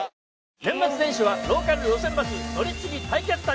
年末年始は「ローカル路線バス乗り継ぎ対決旅」。